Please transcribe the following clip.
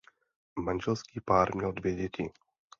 Manželský pár měl dvě děti.